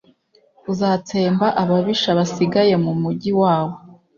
uzatsemba ababisha basigaye mu mugi wabo.